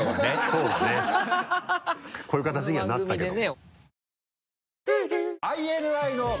そうだねこういう形にはなったけど。